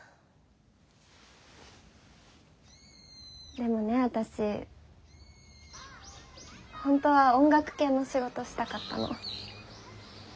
でもね私本当は音楽系の仕事したかったの。